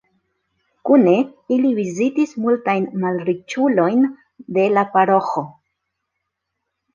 Kune, ili vizitis multajn malriĉulojn de la paroĥo.